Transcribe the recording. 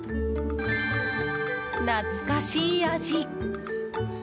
懐かしい味。